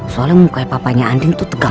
soalnya mukanya papanya anding tuh tebel